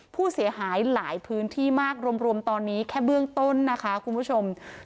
ผู้เสียหายหลายพื้นที่มากรวมตอนนี้แค่เบื้องต้นนะคะคุณผู้ชม